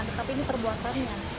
tapi ini perbuatannya